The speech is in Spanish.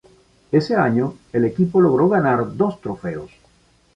Ese año el equipo logró ganar dos trofeos.